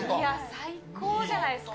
最高じゃないですか。